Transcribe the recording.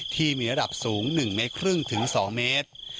ที่มีระดับสูง๑๕๒เมตร